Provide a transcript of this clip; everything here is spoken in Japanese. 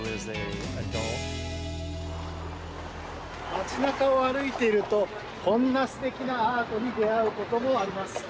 街なかを歩いているとこんなすてきなアートに出会うこともあります。